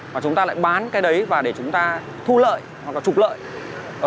mà chúng ta lại bán cái đấy và để chúng ta thu lợi hoặc là trục lợi